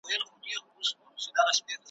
بې هنرو دي د ښار کوڅې نیولي ,